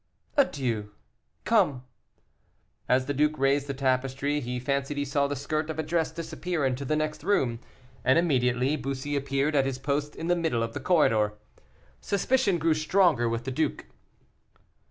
"Adieu, come!" As the duke raised the tapestry, he fancied he saw the skirt of a dress disappear into the next room, and immediately Bussy appeared at his post in the middle of the corridor. Suspicion grew stronger with the duke.